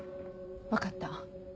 分かった。